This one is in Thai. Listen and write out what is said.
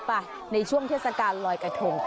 ไปในช่วงเทศกาลลอยกระทง